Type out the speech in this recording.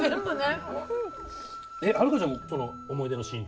遥ちゃんその思い出のシーン。